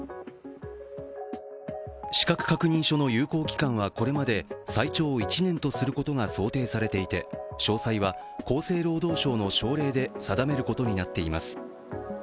資格確認書の有効期間はこれまで最長１年とすることが想定されていて詳細は、厚生労働省の省令で定めることになっています。